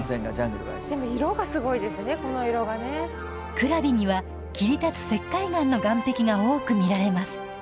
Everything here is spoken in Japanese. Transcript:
クラビには切り立つ石灰岩の岩壁が多く見られます。